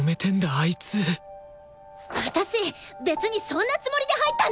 あいつ私別にそんなつもりで入ったんじゃ。